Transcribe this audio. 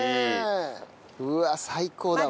うわ最高だわ。